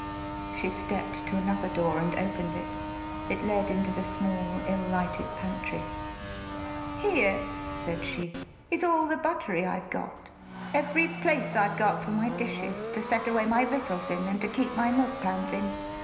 She stepped to another door and opened it. [It led into the small, ill lighted pantry.] " Here," [said she,] "is all the buttery I've got every place I've got for my dishes, to set away my victuals in, an' to keep my milk pans in.